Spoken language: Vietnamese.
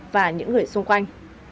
và những người xung quanh